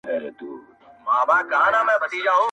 • خیال مي ځي تر ماشومتوبه د مُلا تر تاندي لښتي -